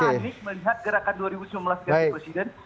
melihat gerakan dua ribu sembilan belas